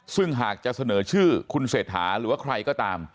ซึ่งหากจะเสนอชื่อคุณเศรษฐาหรือว่าใครก็ตาม